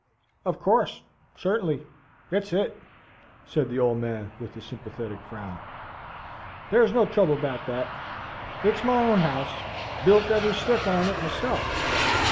"In course. Certainly. Thet's it," said the Old Man with a sympathetic frown. "Thar's no trouble about THET. It's my own house, built every stick on it myself.